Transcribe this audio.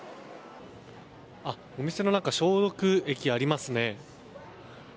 お店の中、消毒液ありますね。